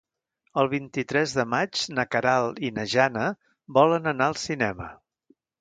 El vint-i-tres de maig na Queralt i na Jana volen anar al cinema.